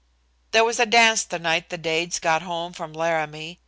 "] There was a dance the night the Dades got home from Laramie.